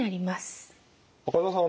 赤澤さん